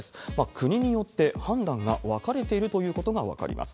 国によって判断が分かれているということが分かります。